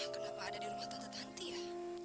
kenapa ada di rumah tante tanti ya